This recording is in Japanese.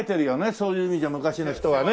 そういう意味じゃ昔の人はね。